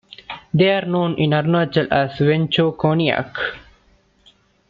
They are known in Arunachal as Wancho Konyak.